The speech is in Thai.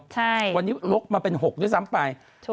ตัวเลขทางนักงันลดมาเป็น๖ด้วยส่ามไป